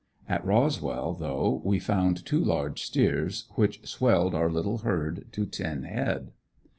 At Roswell though we found two large steers which swelled our little herd to ten head.